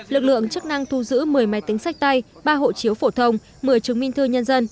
lực lượng chức năng thu giữ một mươi máy tính sách tay ba hộ chiếu phổ thông một mươi chứng minh thư nhân dân